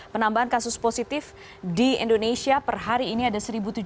penambahan kasus positif di indonesia per hari ini ada satu tujuh ratus